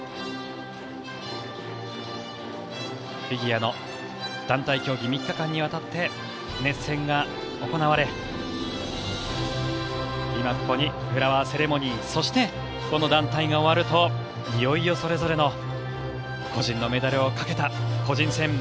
フィギュアの団体競技３日間にわたって熱戦が行われ今ここにフラワーセレモニーそして、この団体が終わるといよいよそれぞれの個人のメダルをかけた個人戦。